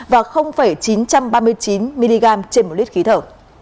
và chín trăm ba mươi chín mg trên một lít khí thở